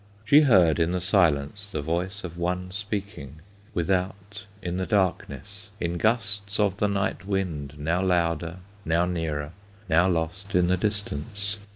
She heard in the silence The voice of one speaking, Without in the darkness, In gusts of the night wind Now louder, now nearer, Now lost in the distance.